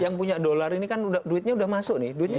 yang punya dolar ini kan duitnya udah masuk nih duitnya